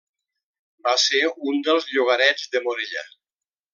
Va ser un dels llogarets de Morella.